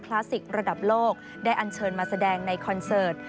ลาสสิกระดับโลกได้อันเชิญมาแสดงในคอนเสิร์ต